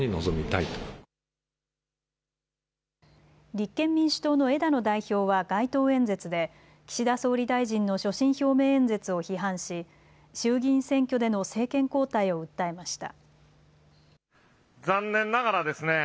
立憲民主党の枝野代表は街頭演説で岸田総理大臣の所信表明演説を批判し、衆議院選挙での政権交代を訴えました。